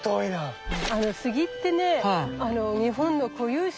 あのスギってね日本の固有種。